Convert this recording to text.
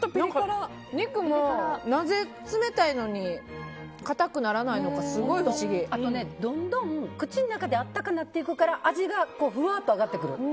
肉もなぜ冷たいのにかたくならないのかどんどん口の中で温かくなっていくから味がふわっと上がってくる。